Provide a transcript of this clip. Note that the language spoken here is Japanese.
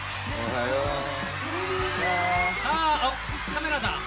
カメラだ！